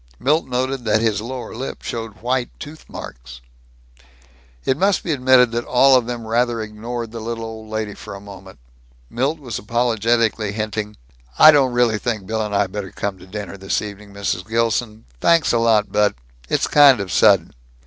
Milt noted that his lower lip showed white tooth marks. It must be admitted that all of them rather ignored the little old lady for a moment. Milt was apologetically hinting, "I don't really think Bill and I'd better come to dinner this evening, Mrs. Gilson. Thanks a lot but It's kind of sudden."